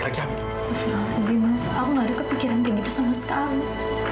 aku gak ada kepikiran begitu sama sekali